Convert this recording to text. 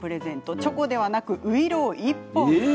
チョコではなく、ういろう１本。